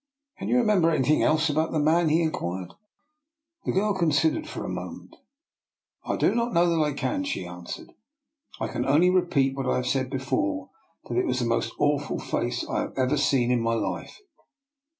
*'" Can you remember anything else about the man? " he inquired. The girl considered for a moment. I do not know that I can,*' she answered. I can only repeat what I said before, that it was the most awful face I have ever seen in my life.